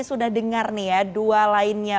sudah dengar nih ya dua lainnya